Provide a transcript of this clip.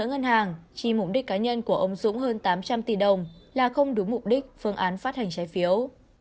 đã nỡ ngân hàng chỉ mục đích cá nhân của ông dũng hơn tám trăm linh tỷ đồng là không đúng mục đích phương án phát hành trái phiếu